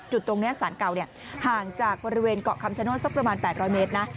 จุดตรงเนี้ยสารเก่าเนี้ยห่างจากบริเวณเกาะคำชะโน้นสักประมาณแปดร้อยเมตรนะ